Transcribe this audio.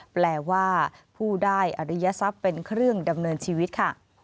แปลว่าผู้ได้อริยทรัพย์เป็นเครื่องดำเนินชีวิตค่ะ